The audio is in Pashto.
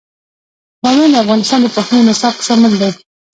بامیان د افغانستان د پوهنې نصاب کې شامل دي.